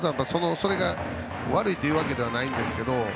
それが、悪いというわけではないですが。